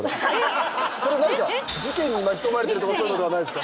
それ何か事件に巻き込まれてるとかそういうのではないですか？